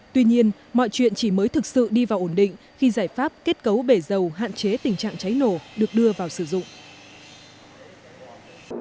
tuy nhiên mọi chuyện chỉ mới thực sự đi vào ổn định khi giải pháp kết cấu bể dầu hạn chế tình trạng cháy nổ được đưa vào sử dụng